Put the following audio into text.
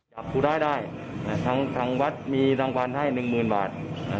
จับคนร้ายได้ทางทางวัดมีรางวัลให้หนึ่งหมื่นบาท